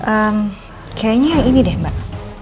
ehm kayaknya ini deh mbak